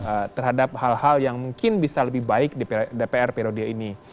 atau terhadap hal hal yang mungkin bisa lebih baik di dpr periode ini